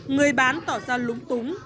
người bán tỏ ra lúng túng